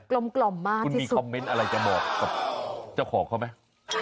กลมมากที่สุดคุณมีคอมเม้นต์อะไรจะบอกกับเจ้าของเขาไหม